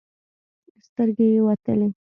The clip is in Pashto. سترګې يې وتلې.